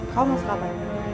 kau masak apa